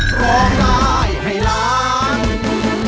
พร้อมรายให้ล้าน